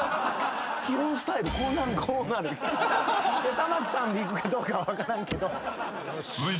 玉置さんでいくかどうか分からんけど。